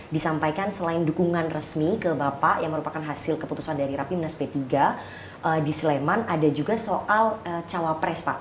disampaikan selain dukungan resmi ke bapak yang merupakan hasil keputusan dari rapimnas p tiga di sleman ada juga soal cawapres pak